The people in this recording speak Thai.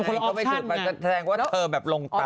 ก็ได้ยินไงก็ไปสืบแปลงว่าเธอแบบลงเต่า